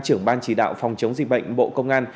trưởng ban chỉ đạo phòng chống dịch bệnh bộ công an